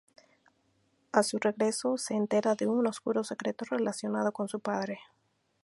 A su regresó, se entera de un oscuro secreto relacionado con su padre.